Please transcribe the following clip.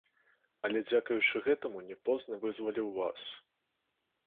Але дзякуючы гэтаму не позна вызваліў вас.